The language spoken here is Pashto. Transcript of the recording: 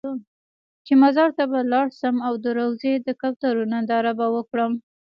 چې مزار ته به لاړ شم او د روضې د کوترو ننداره به وکړم.